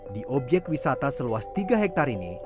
di obyek wisata seluas tiga hektare ini